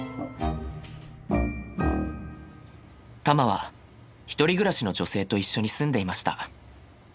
たまは１人暮らしの女性と一緒に住んでいました。